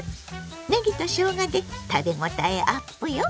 ねぎとしょうがで食べ応えアップよ。